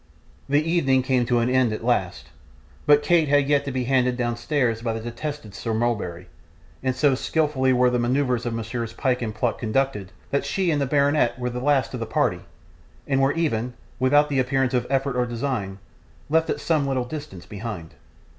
The evening came to an end at last, but Kate had yet to be handed downstairs by the detested Sir Mulberry; and so skilfully were the manoeuvres of Messrs Pyke and Pluck conducted, that she and the baronet were the last of the party, and were even without an appearance of effort or design left at some little distance behind.